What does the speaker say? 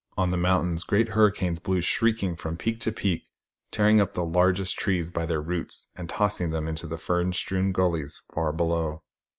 On the mountains great hurricanes blew shrieking from peak to peak, tearing up the largest trees by their roots, and tossing them down into the fern strewn gullies THE STORY OF THE STARS 103 far below.